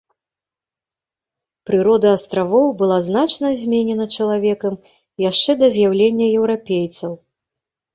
Прырода астравоў была значна зменена чалавекам яшчэ да з'яўлення еўрапейцаў.